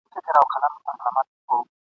ګټه په تاوان کېږي !.